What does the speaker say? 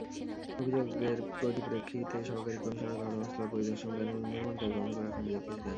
অভিযোগের পরিপ্রেক্ষিতে সহকারী কমিশনার ঘটনাস্থল পরিদর্শন করেন এবং নির্মাণকাজ বন্ধ রাখার নির্দেশ দেন।